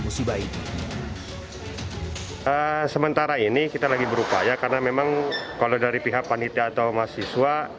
musibah ini sementara ini kita lagi berupaya karena memang kalau dari pihak panitia atau mahasiswa